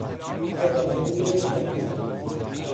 خلق و خوی تند